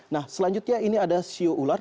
nah selanjutnya ini ada siu ular